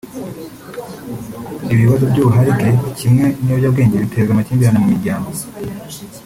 Ibi bibazo by’ubuharike kimwe n’ibiyobyabwenge biteza amakimbirane mu miryango